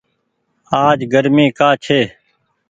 آج گرمي ڪآ ڇي ۔